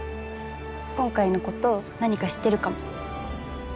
今回のこと何か知ってるかも。